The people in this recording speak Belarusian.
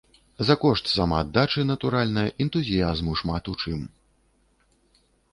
За кошт самааддачы, натуральна, энтузіязму шмат у чым.